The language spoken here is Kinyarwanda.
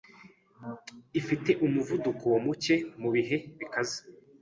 ifite umuvuduko muke Mu bihe bikaze